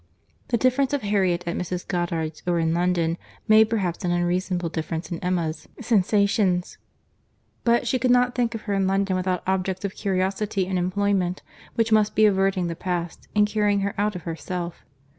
The difference of Harriet at Mrs. Goddard's, or in London, made perhaps an unreasonable difference in Emma's sensations; but she could not think of her in London without objects of curiosity and employment, which must be averting the past, and carrying her out of herself.